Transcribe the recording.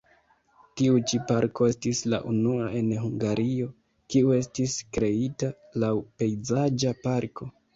Tiu ĉi parko estis la unua en Hungario, kiu estis kreita laŭ pejzaĝa parko.